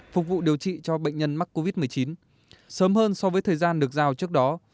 phục vụ điều trị cho bệnh nhân mắc covid một mươi chín sớm hơn so với thời gian được giao trước đó